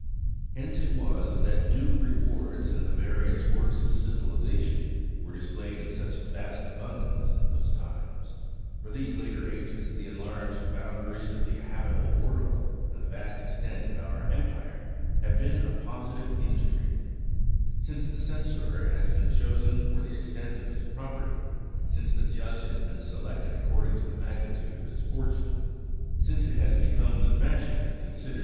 Hence it was that due rewards, and the various works of civilization, were displayed in such vast abundance in those times. For these later ages, the enlarged boundaries of the habitable world, and the vast extent of our empire, have been a positive injury. Since the Censor has been chosen for the extent of his property, since the judge has been selected according to the magnitude of his fortune, since it has become the fashion to consider that 4 In allusion to Ms poem, the "Works and Days," the prototype of Virgil's Georgics.